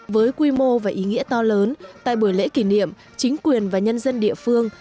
với quy mô và ý nghĩa to lớn tại buổi lễ kỷ niệm chính quyền và nhân dân địa phương